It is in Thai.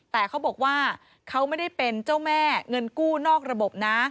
แต่เขาบอกว่าเขาไม่ได้เป็นเจ้าแม่เงินกู้นอกระบบนะ